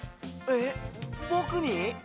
えっぼくに？